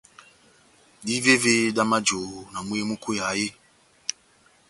Dívévé dá majohó na mwehé múkweyaha eeeh ?